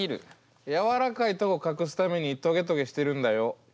「やわらかいとこ隠すためにトゲトゲしてるんだよＵＮＩ